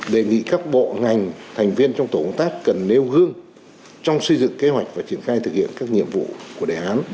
đề nghị các bộ ngành thành viên trong tổ công tác cần nêu gương trong xây dựng kế hoạch và triển khai thực hiện các nhiệm vụ của đề án